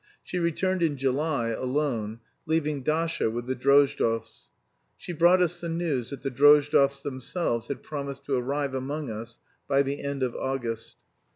She returned in July, alone, leaving Dasha with the Drozdovs. She brought us the news that the Drozdovs themselves had promised to arrive among us by the end of August.